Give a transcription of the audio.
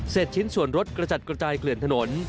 ชิ้นส่วนรถกระจัดกระจายเกลื่อนถนน